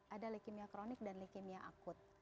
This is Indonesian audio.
ada lekimia kronik dan lekimia akut